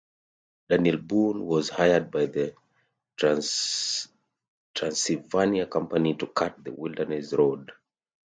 Daniel Boone was hired by the Transylvania Company to cut the Wilderness Road.